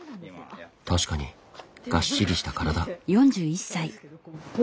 確かにがっしりした体。